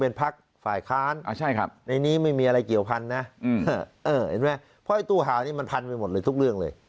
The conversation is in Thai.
เป็นพักฝ่ายค้านในนี้ไม่มีอะไรเกี่ยวพันธุ์นะเห็นไหมเพราะไอ้ตู้หาวนี้มันพันไปหมดเลยทุกเรื่องเลย